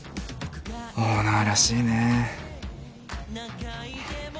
オーナーらしいね。